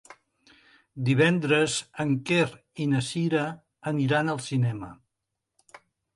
Divendres en Quer i na Cira aniran al cinema.